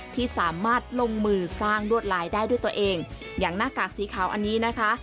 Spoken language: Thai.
ที่สามารถลงมือสร้างลวดลายได้ด้วยตัวเองอย่างหน้ากากสีขาวอันนี้นะคะ